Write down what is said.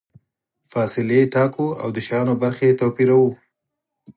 فاصلې ټاکو او د شیانو برخې توپیروو.